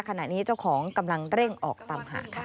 ขณะนี้เจ้าของกำลังเร่งออกตามหาค่ะ